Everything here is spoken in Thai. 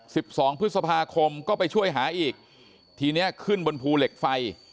สิบสองพฤษภาคมก็ไปช่วยหาอีกทีเนี้ยขึ้นบนภูเหล็กไฟ